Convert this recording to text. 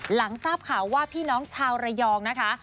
หลังทราบข่าวว่าพี่น้องชาวระยองนะคะ